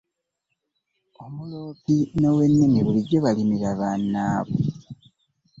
Omuloppi n'owennimi bulijjo balimirira banabwe .